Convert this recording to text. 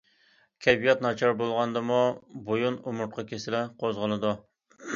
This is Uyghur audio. كەيپىيات ناچار بولغاندىمۇ بويۇن ئومۇرتقا كېسىلى قوزغىلىدۇ.